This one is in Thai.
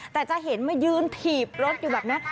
แต่จะเห็นมายืนถีบรถอยู่แบบนี้